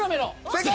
正解！